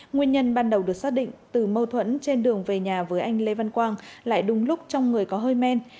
nguyên nhân ban đầu được xác định từ mâu thuẫn trên đường về nhà với anh lê văn quang lại đúng lúc trong người có hơi men